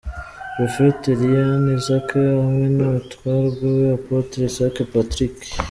Prophetess Eliane Isaac hamwe n'umutware we Apotre Isaac Patrick.